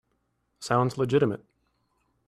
Sounds legitimate.